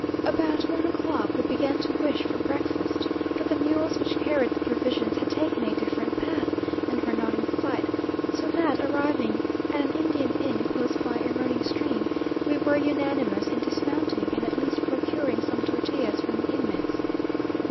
About one o'clock we began to wish for breakfast, but the mules which carried the provisions had taken a different path, and were not in sight; so that, arriving at an Indian hut close by a running stream, we were unanimous in dismounting, and at least procuring some tortillas from the inmates.